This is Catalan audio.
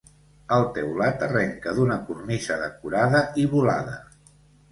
El teulat arrenca d'una cornisa decorada i volada.